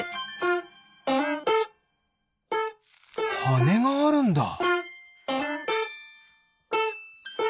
はねがあるんだ？